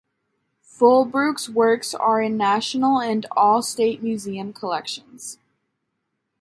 Fullbrook's works are in national and all state museum collections.